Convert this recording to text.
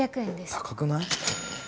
高くない？